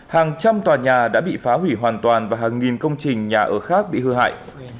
hàng trăm tòa nhà đã bị phá hủy hoàn toàn và hàng nghìn công trình nhà ở khác bị hư hại